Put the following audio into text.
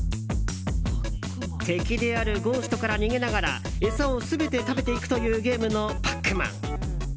敵であるゴーストから逃げながら餌を全て食べていくというゲームの「パックマン」。